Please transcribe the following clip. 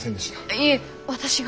いえ私が。